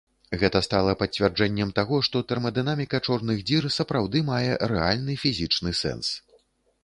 Гэта стала пацвярджэннем таго, што тэрмадынаміка чорных дзір сапраўды мае рэальны фізічны сэнс.